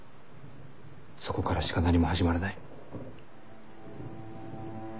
そこからしか何も始まらない。